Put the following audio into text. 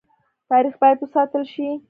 تاریخ باید وساتل شي